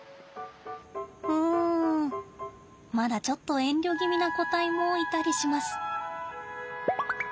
うんまだちょっと遠慮気味な個体もいたりします。